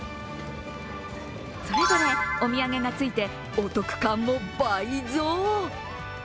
それぞれ、お土産がついてお得感も倍増。